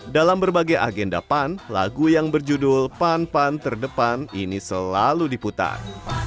dalam berbagai agenda pan lagu yang berjudul pan pan terdepan ini selalu diputar